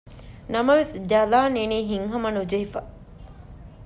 ނަމަވެސް ޖަލާން އިނީ ހިތްހަމަ ނުޖެހިފަ